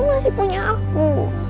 papa kan masih punya aku